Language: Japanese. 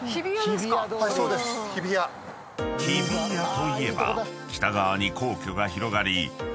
［日比谷といえば北側に皇居が広がり］